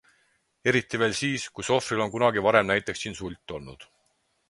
Eriti veel siis, kui sohvril on kunagi varem näiteks insult olnud.